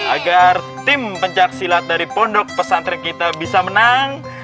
agar tim pencaksilat dari pondok pesantren kita bisa menang